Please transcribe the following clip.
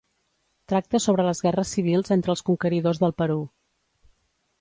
Tracta sobre les guerres civils entre els conqueridors del Perú.